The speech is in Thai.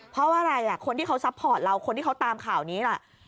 เพราะว่าอะไรอ่ะคนที่เขาซัพพอร์ตเราคนที่เขาตามข่าวนี้ล่ะ